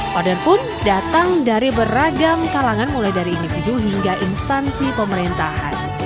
kader pun datang dari beragam kalangan mulai dari individu hingga instansi pemerintahan